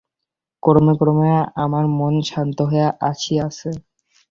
ক্রমে ক্রমে আমার মন শান্ত হইয়া আসিয়াছে।